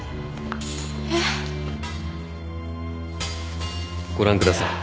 えっ？ご覧ください。